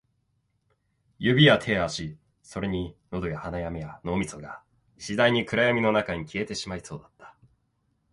指や手や足、それに喉や鼻や目や脳みそが、次第に暗闇の中に消えてしまいそうだった